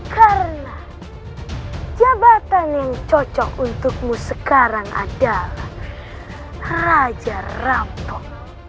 karena jabatan yang cocok untukmu sekarang adalah raja rampok